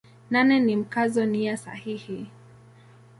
Nane ni Mkazo nia sahihi.